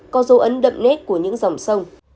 có dấu ấn đậm nét của những dòng sông